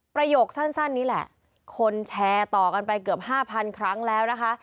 ประโยคสั้นนี้แหละคนแชร์ต่อกันไปเกือบ๕๐๐ครั้งแล้วนะคะ